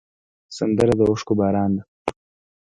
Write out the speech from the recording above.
سندره د اوښکو باران ده